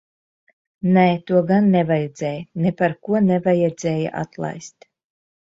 Nē, to gan nevajadzēja. Neparko nevajadzēja atlaist.